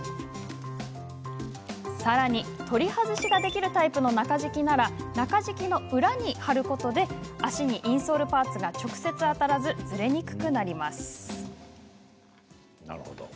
さらに、取り外しできるタイプの中敷きなら中敷きの裏に貼ることで足にインソールパーツが直接当たらず、ずれにくくなります。